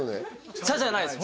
茶じゃないです